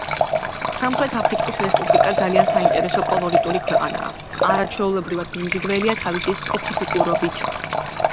სამხრეთ აფრიკის რესპუბლიკა ძალიან საინტერესო კოლორიტული ქვეყანაა, არაჩვეულებრივად მიმზიდველია თავისი სპეციფიკურობით.